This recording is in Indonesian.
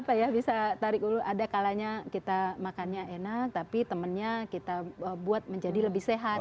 jadi kita bisa tarik dulu ada kalanya kita makannya enak tapi temennya kita buat menjadi lebih sehat